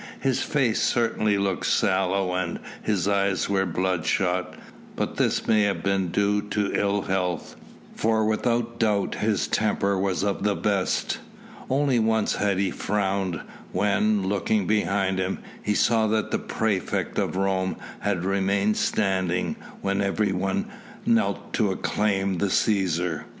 His face certainly looked sallow and his eyes were bloodshot, but this may have been due to ill health, for without doubt his temper was of the best. Only once had he frowned, when, looking behind him, he saw that the praefect of Rome had remained standing when everyone knelt to acclaim the Cæsar.